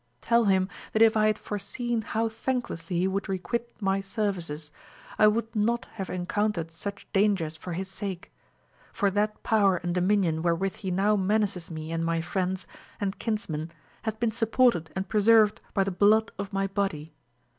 Tell him that if I had foreseen how thanklessly he would re quite my services, I would not have encountered such dangers for his sake ; for that power and dominion wherewith he now menaces me and my friends and kinsmen hath been supported and preserved by the blood of my body.